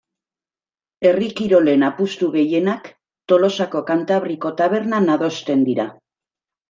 Herri kirolen apustu gehienak Tolosako Kantabriko tabernan adosten dira.